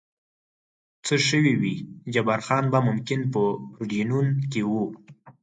څه شوي وي، جبار خان به ممکن په پورډینون کې و.